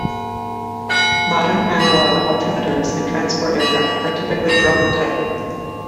Modern analogue altimeters in transport aircraft are typically drum-type.